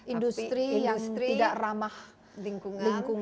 industri industri tidak ramah lingkungan